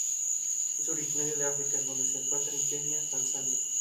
Oki es un muchacho alegre, extrovertido y con una gran facilidad para hacer amigos.